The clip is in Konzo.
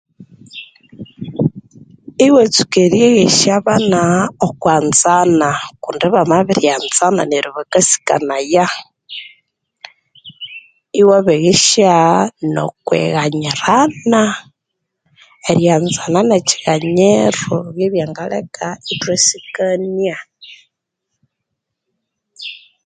Iwatsuka eryeghesya abana okwa nzana kundi bamabirya nzana neryo bakasikanaya iwa beghesya nokwi ghanyirana erya nzana nekyi ghanyiro ebya ngaleka ithwa sikania